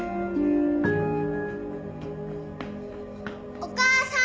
お母さん！